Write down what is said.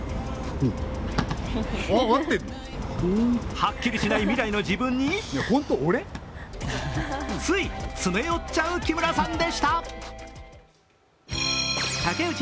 はっきりしない未来の自分につい詰め寄っちゃう木村さんでした。